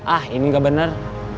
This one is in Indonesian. ah ini nggak bener